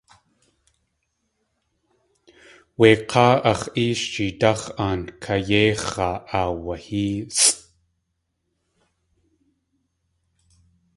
Wé k̲áa ax̲ éesh jeedáx̲ aankayéx̲aa aawahéesʼ.